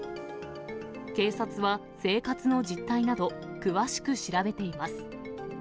警察は生活の実態など、詳しく調べています。